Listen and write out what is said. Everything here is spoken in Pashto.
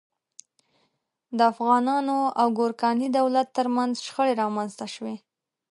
د افغانانو او ګورکاني دولت تر منځ شخړې رامنځته شوې.